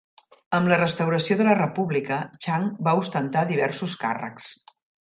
Amb la restauració de la República, Chang va ostentar diversos càrrecs.